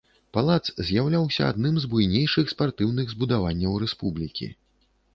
Палац з'яўляўся адным з буйнейшых спартыўных збудаванняў рэспублікі.